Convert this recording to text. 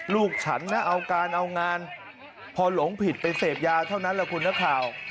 ลูกฉันนะเอาการเอางานพอหลงผิดไปเสพยาเท่านั้นแหละคุณนักข่าว